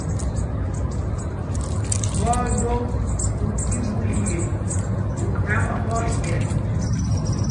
Mbɔ ɛdom ú tí ɓu lyel ú thaŋ mbɔ ɛmyɛl.